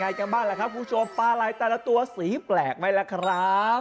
ยังไงครับ